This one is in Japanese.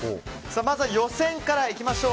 まずは予選から行きましょう。